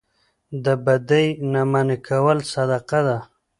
د بدۍ نه منع کول صدقه ده